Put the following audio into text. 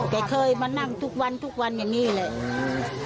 แกเคยมานั่งทุกวันทุกวันอย่างนี้เลยอืม